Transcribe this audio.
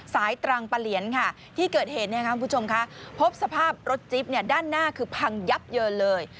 สายตรังป่าเลียนที่เกิดเห็นพบสภาพรถจิ๊บด้านหน้าคือพังยับเยอะเลย